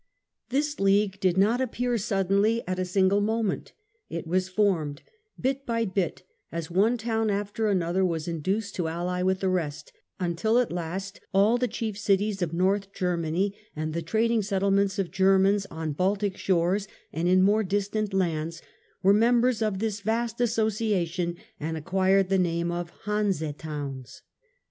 This League did not appear suddenly at a single moment ; it was formed bit by bit as one town after another was induced to ally with the rest, until at last all the chief cities of North Germany and the trading settlements of Germans on Baltic shores and in more distant lands were members of this vast association and acquired the name of Hanse Towns.